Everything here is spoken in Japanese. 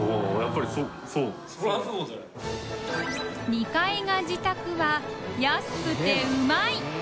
２階が自宅は安くてウマい！